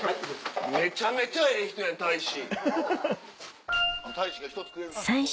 めちゃめちゃええ人やん大使。